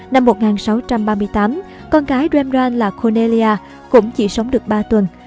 năm một nghìn sáu trăm ba mươi tám con gái rembrandt là cornelia cũng chỉ sống được ba tuần